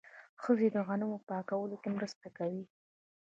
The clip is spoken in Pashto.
ښځې د غنمو په پاکولو کې مرسته کوي.